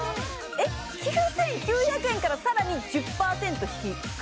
えっ９９００円からさらに１０％引く？